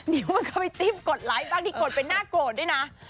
เดี๋ยวมันก็ไปจิ้มกดไลค์บ้างที่กดเป็นหน้าโกรธด้วยนะ